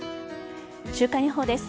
週間予報です。